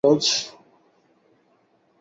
সহজ করে বলি, অজ।